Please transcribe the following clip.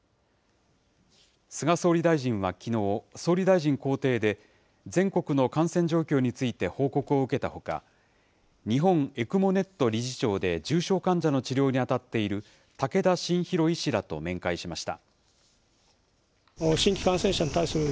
菅総理大臣はきのう、総理大臣公邸で、全国の感染状況について報告を受けたほか、日本ＥＣＭＯｎｅｔ理事長で重症患者の治療に当たっている竹田晋浩医師らと面会しました。